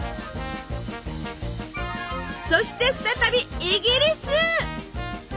そして再びイギリス。